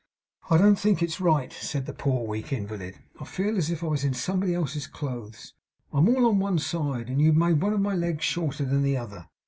'I don't think it's right,' said the poor weak invalid. 'I feel as if I was in somebody else's clothes. I'm all on one side; and you've made one of my legs shorter than the other.